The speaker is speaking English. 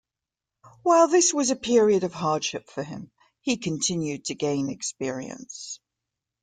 While this was a period of hardship for him, he continued to gain experience.